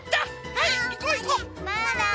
はいいこういこう。